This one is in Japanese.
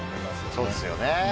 そうですよね。